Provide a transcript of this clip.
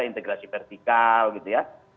integrasi vertikal gitu ya